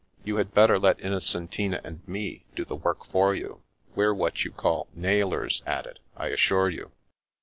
You had better let Innocentina and me do the work for you. We're what you call * nailers ' at it, I assure you."